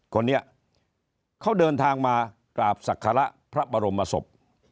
คนนี้เขาเดินทางมากราบศักระพระบรมศพ